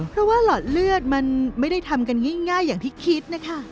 เพราะว่าหลอดเลือดมันไม่ได้ทำกันง่ายอย่างที่คิดนะคะ